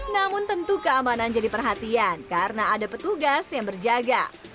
namun tentu keamanan jadi perhatian karena ada petugas yang berjaga